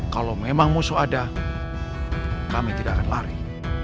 kalau memang musuh ada kami tidak akan lari